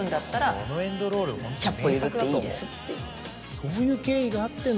そういう経緯があっての。